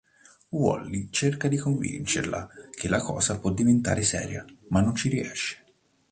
Wally cerca di convincerla che la cosa può diventare seria, ma non ci riesce.